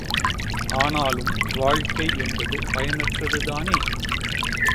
ஆனாலும் வாழ்க்கை என்பது பயனற்றது தானே?